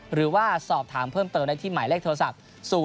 หรือว่าสอบถามเพิ่มเติมได้ที่หมายเลขโทรศัพท์